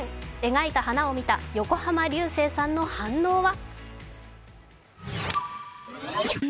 描いた花を見た横浜流星さんの反応は？